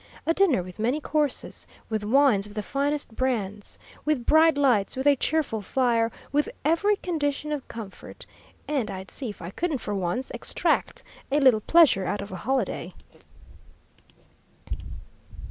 A dinner with many courses, with wines of the finest brands, with bright lights, with a cheerful fire, with every condition of comfort and I'd see if I couldn't for once extract a little pleasure out of a holiday!